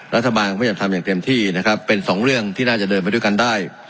รัฐบาลก็พยายามทำอย่างเต็มที่นะครับเป็นสองเรื่องที่น่าจะเดินไปด้วยกันได้